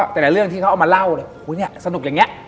แต่ละเรื่องที่เขาเอาล่องครับอูนี่สนุกอยังเงี้ย